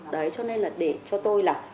đấy cho nên là để cho tôi là